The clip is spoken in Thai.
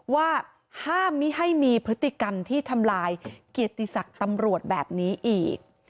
ว่าห้ามไม่ให้มีพฤติกรรมที่ทำลายเกียรติศักดิ์ตำรวจแบบนี้อีก